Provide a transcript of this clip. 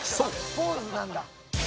「ポーズなんだ」